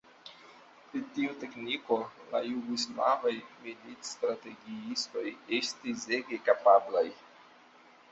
Pri tiu tekniko la jugoslavaj militstrategiistoj estis ege kapablaj.